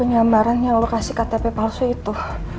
nyambaran yang lo kasih ktp palsu itu